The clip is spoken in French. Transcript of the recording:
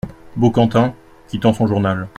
Baucantin , quittant son journal.